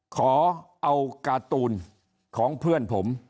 ขอเอาการ์ตูนของเพื่อนผม